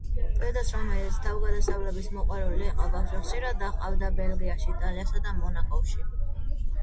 დედას, რომელიც თავგადასავლების მოყვარული იყო, ბავშვი ხშირად დაჰყავდა ბელგიაში, იტალიასა და მონაკოში.